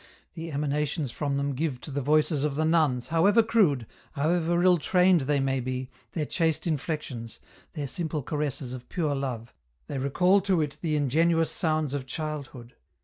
The emanations from them give to the voices of the nuns, however crude, however ill trained they may be, their chaste inflexions, their simple caresses of pure love, they recall to it the ingenuous sounds of childhood.